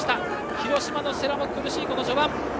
広島の世羅も苦しい序盤。